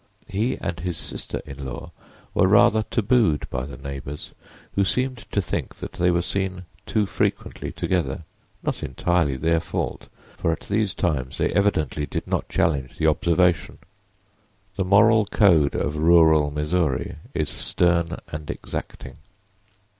He and his sister in law were rather tabooed by their neighbors, who seemed to think that they were seen too frequently together—not entirely their fault, for at these times they evidently did not challenge observation. The moral code of rural Missouri is stern and exacting.